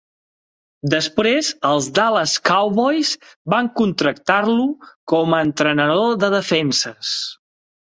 Després els Dallas Cowboys van contractar-lo com a entrenador de defenses.